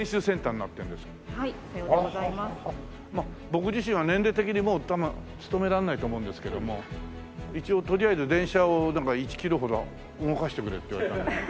僕自身は年齢的にもう多分勤められないと思うんですけども一応とりあえず電車をなんか１キロほど動かしてくれって言われた。